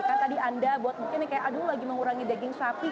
kan tadi anda buat mungkin kayak aduh lagi mengurangi daging sapi